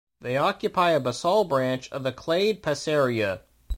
They occupy a basal branch of the clade Passerea.